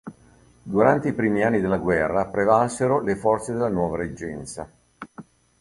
Durante i primi anni della guerra prevalsero le forze della nuova reggenza.